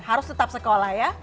harus tetap sekolah ya